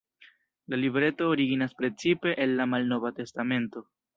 La libreto originas precipe el la Malnova Testamento.